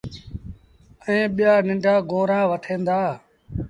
ائيٚݩ ٻيٚآ ننڍآ گونرآ وٺيٚن دآ۔